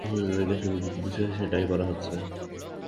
অথচ জ্বালানি তেল ও গ্যাস বিদ্যুতের বিষয়ে সেটাই করা হচ্ছে।